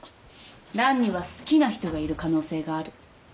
ランには好きな人がいる可能性がある。